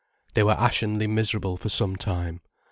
They were ashenly miserable for some time.